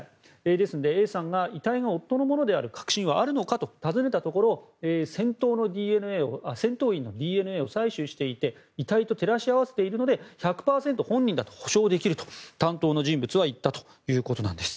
ですので、Ａさんは遺体が夫のものである確信はあるのかと尋ねたところ戦闘員のＤＮＡを採取していて遺体と照らし合わせているので１００％本人だと保証できると担当の人物は言ったということなんです。